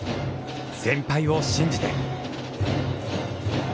先輩を信じて。